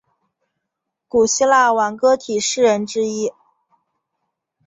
古希腊挽歌体诗人之一。